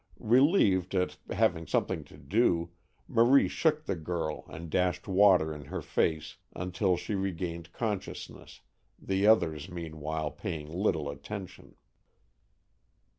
Relieved at having something to do, Marie shook the girl and dashed water in her face until she regained consciousness, the others, meanwhile, paying little attention.